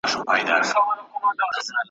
خو خبري آژانسونه ګ ,